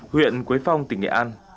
huyện quế phong tỉnh nghệ an